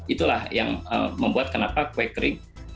itulah yang membuat kenapa kue kering